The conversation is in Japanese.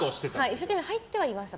一生懸命入ってはいました。